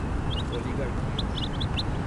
Oligarquias